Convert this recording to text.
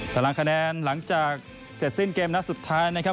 ตารางคะแนนหลังจากเสร็จสิ้นเกมนัดสุดท้ายนะครับ